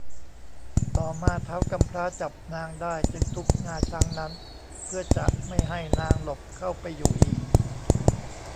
ต่อมาท้าวกำพร้าจับนางได้จึงทุบงาช้างนั้น เพื่อจะไม่ให้นางหลบเข้าไปอยู่อีก